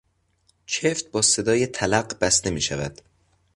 چفت با صدای تلق بسته میشود.